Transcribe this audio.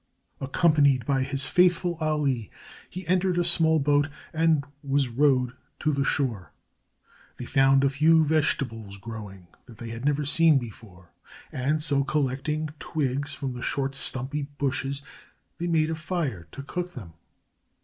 Accompanied by his faithful Ali, he entered a small boat and was rowed to the shore. They found a few vegetables growing that they had never seen before, and so, collecting twigs from the short, stumpy bushes, they made a fire to cook them.